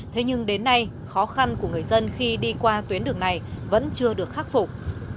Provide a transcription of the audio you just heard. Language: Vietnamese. thế nhưng đến nay khó khăn của người dân khi đi qua tuyến đường này vẫn chưa được khắc phục